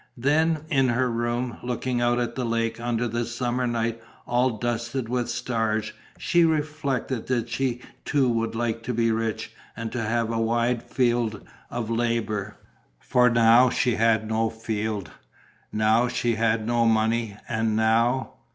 Then, in her room, looking out at the lake under the summer night all dusted with stars, she reflected that she too would like to be rich and to have a wide field of labour. For now she had no field, now she had no money and now